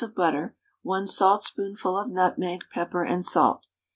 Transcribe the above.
of butter, 1 saltspoonful of nutmeg, pepper and salt.